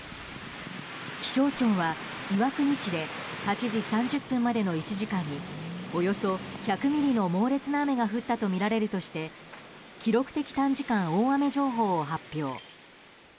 気象庁は岩国市で８時３０分までの１時間におよそ１００ミリの猛烈な雨が降ったとみられるとして記録的短時間大雨情報を発表。